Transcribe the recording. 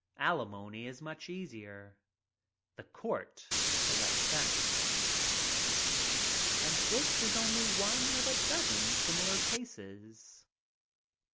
Alimony is much easier. The court collects that. And this is only one of a dozen similar cases.